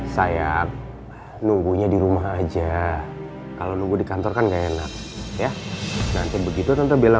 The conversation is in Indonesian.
saya nunggunya di rumah aja kalau nunggu di kantor kan enggak enak ya nanti begitu tentu bela